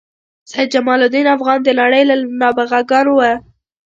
سید جمال الدین افغان د نړۍ له نابغه ګانو و.